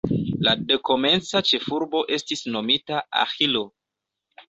La dekomenca ĉefurbo estis nomita Aĥilo.